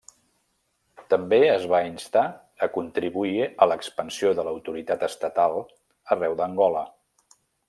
També es va instar a contribuir a l'expansió de l'autoritat estatal arreu d'Angola.